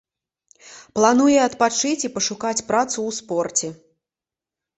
Плануе адпачыць і пашукаць працу ў спорце.